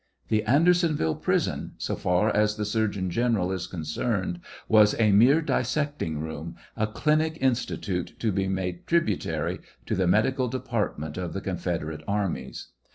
The Andersonville prison, so far as the surgeon general is concerned, was a mere dissecting room, a 'clinic institute to be made tributary to the medical department of the confederate armies.